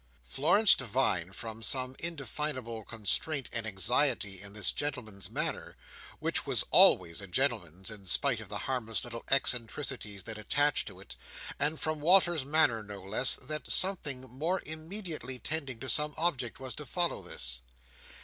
Florence divined, from some indefinable constraint and anxiety in this gentleman's manner—which was always a gentleman's, in spite of the harmless little eccentricities that attached to it—and from Walter's manner no less, that something more immediately tending to some object was to follow this.